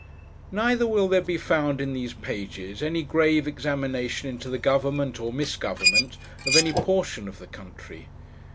Neither will there be found, in these pages, any grave examination into the government or misgovernment of any portion of the country.